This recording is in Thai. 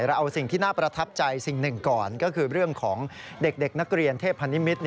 เราเอาสิ่งที่น่าประทับใจสิ่งหนึ่งก่อนก็คือเรื่องของเด็กนักเรียนเทพนิมิตร